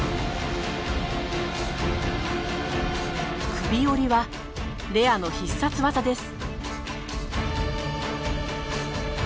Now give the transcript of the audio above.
「首折り」はレアの必殺技です。